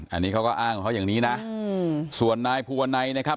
อันนี้เขาก็อ้างของเขาอย่างนี้นะส่วนนายภูวนัยนะครับ